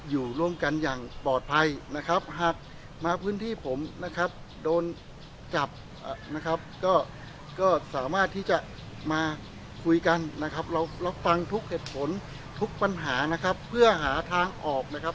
อยู่ร่วมกันอย่างปลอดภัยนะครับหากมาพื้นที่ผมนะครับโดนจับนะครับก็สามารถที่จะมาคุยกันนะครับเรารับฟังทุกเหตุผลทุกปัญหานะครับเพื่อหาทางออกนะครับ